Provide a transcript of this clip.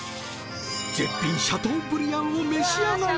絶品シャトーブリアンを召し上がれ。